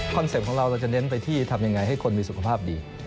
เป็ปต์ของเราเราจะเน้นไปที่ทำยังไงให้คนมีสุขภาพดี